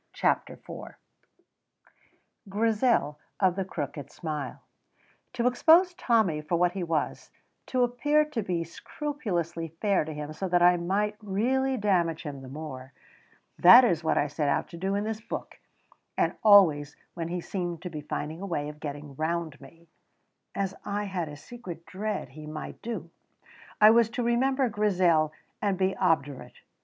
CHAPTER IV GRIZEL OF THE CROOKED SMILE To expose Tommy for what he was, to appear to be scrupulously fair to him so that I might really damage him the more, that is what I set out to do in this book, and always when he seemed to be finding a way of getting round me (as I had a secret dread he might do) I was to remember Grizel and be obdurate.